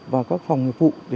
và các phòng nghiệp vụ